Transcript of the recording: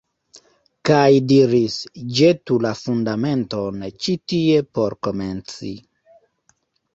Kaj diris «Ĵetu la Fundamenton ĉi tie por komenci».